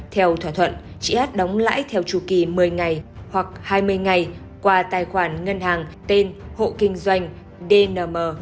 theo thỏa thuận chị hát đóng lãi theo chủ kỳ một mươi ngày hoặc hai mươi ngày qua tài khoản ngân hàng tên hộ kinh doanh dnm